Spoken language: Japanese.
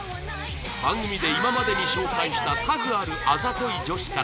番組で今までに紹介した数あるあざとい女子から厳選